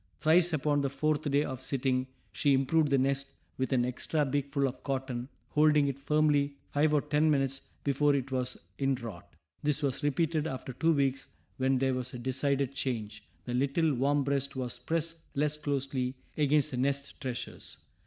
Thrice upon the fourth day of sitting she improved the nest with an extra beakful of cotton, holding it firmly for five or ten minutes before it was inwrought. This was repeated after two weeks when there was a decided change the little, warm breast was pressed less closely against the nest treasures.